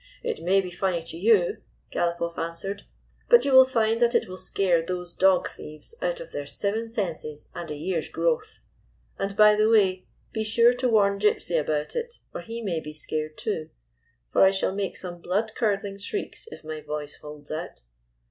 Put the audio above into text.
"It may be funny to you," Galopoff answered; " but you will find that it will scare those dog thieves out of their seven senses and a year's growth. And, by the way, be sure to warn Gypsy about it, or he may be scared, too ; for I shall make some blood curdling shrieks if my voice holds out."